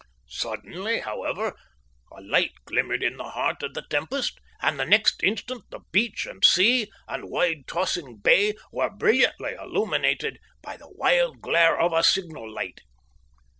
Suddenly, however, a light glimmered in the heart of the tempest, and next instant the beach and sea and wide, tossing bay were brilliantly illuminated by the wild glare of a signal light.